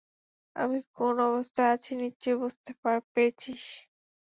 আমি কোন অবস্থায় আছি নিশ্চয় বুঝতে পেরেছিস।